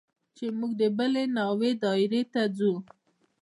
چې موږ د بلې ناوې دايرې ته ځو.